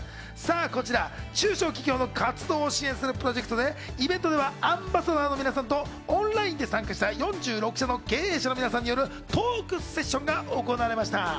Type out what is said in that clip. こちら中小企業の活動を支援するプロジェクトで、イベントではアンバサダーの皆さんとオンラインで参加した４６社の経営者の皆さんによるトークセッションが行われました。